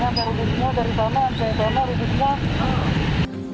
karena dari dunia dari taman dari taman dari dunia